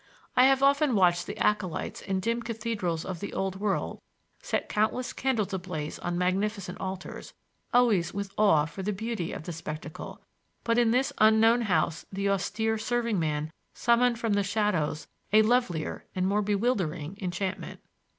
I have often watched the acolytes in dim cathedrals of the Old World set countless candles ablaze on magnificent altars,—always with awe for the beauty of the spectacle; but in this unknown house the austere serving man summoned from the shadows a lovelier and more bewildering enchantment.